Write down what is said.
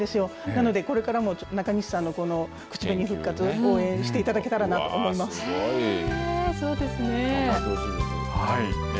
なのでこれからも中西さんの口紅復活を応援していただけたらなとすごい。